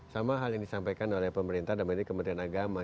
sama hal yang disampaikan oleh pemerintah dan kementerian agama